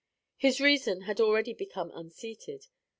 His reason had already become unseated.